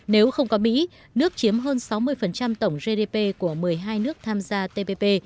nếu không có mỹ nước chiếm hơn sáu mươi tổng gdp của một mươi hai nước tham gia tpp